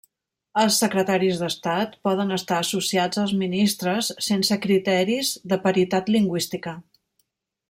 Els secretaris d'Estat poden estar associats als ministres sense criteris de paritat lingüística.